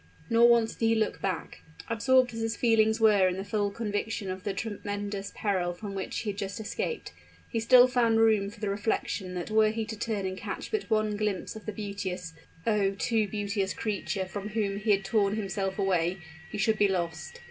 Nor once did he look back. Absorbed as his feelings were in the full conviction of the tremendous peril from which he had just escaped, he still found room for the reflection that were he to turn and catch but one glimpse of the beauteous, oh! too beauteous creature from whom he had torn himself away, he should be lost.